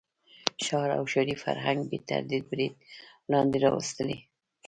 ښار او ښاري فرهنګ یې تر برید لاندې راوستلی.